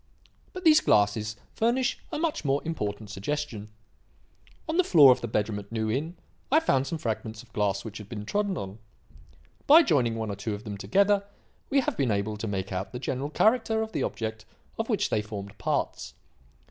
But these glasses furnish a much more important suggestion. On the floor of the bedroom at New Inn I found some fragments of glass which had been trodden on. By joining one or two of them together, we have been able to make out the general character of the object of which they formed parts.